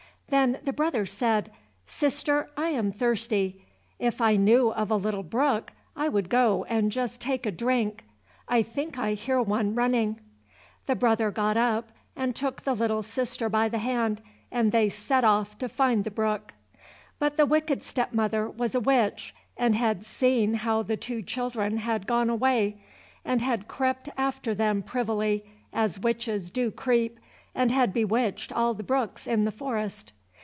Then the brother said, "Sister, I am thirsty; if I knew of a little brook I would go and just take a drink; I think I hear one running." The brother got up and took the little sister by the hand, and they set off to find the brook. But the wicked step mother was a witch, and had seen how the two children had gone away, and had crept after them privily, as witches do creep, and had bewitched all the brooks in the forest.